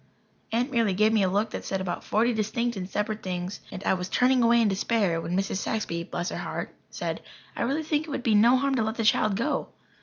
Aunt merely gave me a look that said about forty distinct and separate things, and I was turning away in despair when Mrs. Saxby bless her heart said: "I really think it would be no harm to let the child go."